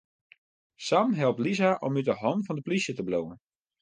Sam helpt Lisa om út 'e hannen fan de polysje te bliuwen.